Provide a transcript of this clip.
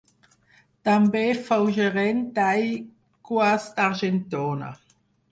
També fou gerent d'Aigües d'Argentona.